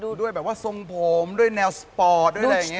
ดูด้วยแบบว่าทรงผมด้วยแนวสปอร์ตด้วยอะไรอย่างนี้